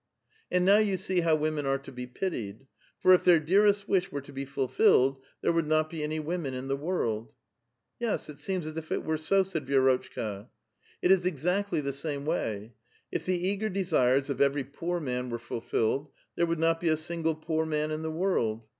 " And now you see how women are to be pitied ; for if their dearest wish were to be fulfilled, there would not be any women in the world !"" Yes, it seems as if it were so," said Vi6rotchka. " It is exactly the same way ; if the eager desires of every poor man were fulfilled, there would not be a single poor man in the world.